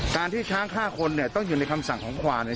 การที่ช้างฆ่าคนเนี่ยต้องอยู่ในคำสั่งของขวานเนี่ย